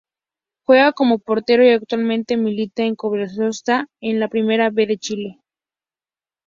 Juega como Portero y actualmente milita en Cobreloa en la Primera B de Chile.